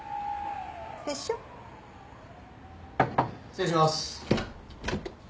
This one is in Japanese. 失礼します。